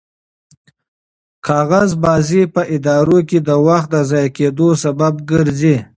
کاغذبازي په ادارو کې د وخت د ضایع کېدو سبب ګرځي.